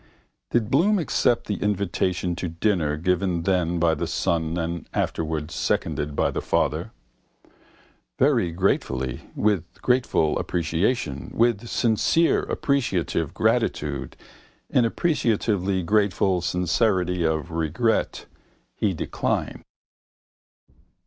Did Bloom accept the invitation to dinner given then by the son and afterwards seconded by the father? Very gratefully, with grateful appreciation, with sincere appreciative gratitude, in appreciatively grateful sincerity of regret, he declined.